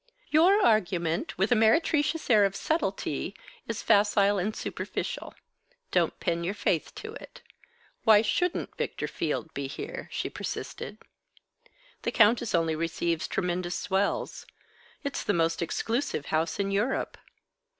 "Your argument, with a meretricious air of subtlety, is facile and superficial. Don't pin your faith to it. Why shouldn't Victor Field be here?" she persisted. "The Countess only receives tremendous swells. It's the most exclusive house in Europe."